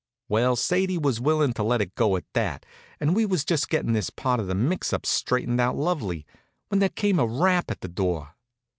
Well, Sadie was willin' to let it go at that, and we was just gettin' this part of the mix up straightened out lovely, when there came a rap at the door.